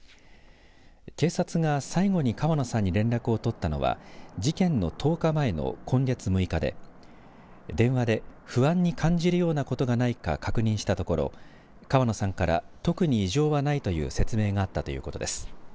警察が最後に川野さんに連絡を取ったのは事件の１０日前の、今月６日で電話で不安に感じるようなことがないか確認したところ川野さんから特に異常はないという説明があったということです。